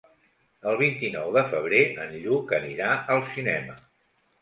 El vint-i-nou de febrer en Lluc anirà al cinema.